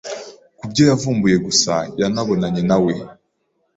kubyo yavumbuye gusa yanabonanye nawe